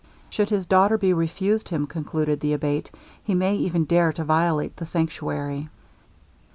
'Should his daughter be refused him,' concluded the Abate, 'he may even dare to violate the sanctuary.'